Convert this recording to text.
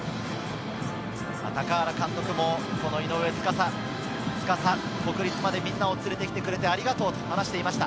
高原監督も井上斗嵩、国立までみんなを連れて来てくれてありがとうと話していました。